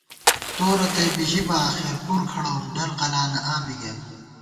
تو رتئ بی ژِبہ آخر پُر کھڑَوُم ڈل قلانہ آں بی گئیم